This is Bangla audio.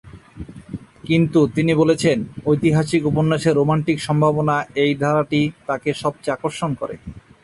কিন্তু তিনি বলেছেন "ঐতিহাসিক উপন্যাসে রোমান্টিক সম্ভাবনা" এই ধারাটি তাকে সবচেয়ে আকর্ষণ করে।